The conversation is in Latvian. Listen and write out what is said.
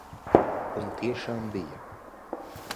Un tiešām bija.